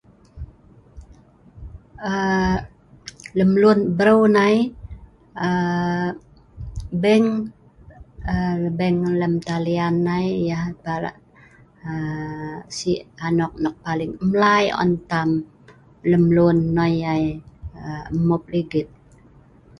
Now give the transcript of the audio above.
Aa lemluen brou nai aa bank aa bank lem talian nai anok paling mlai on tam lemluen nnoi ai aa mmup ligit